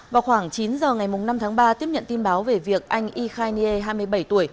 vào khoảng chín giờ ngày năm tháng ba tiếp nhận tin báo về việc anh y khai nghie hai mươi bảy tuổi